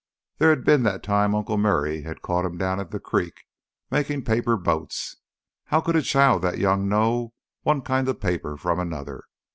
There had been that time Uncle Murray had caught him down at the creek, making paper boats. How could a child that young know one kind of paper from another?